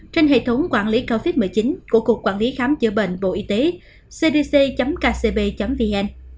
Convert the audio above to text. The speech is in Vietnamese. trên hệ thống quản lý covid một mươi chín của cục quản lý khám chữa bệnh bộ y tế cdc kcb vn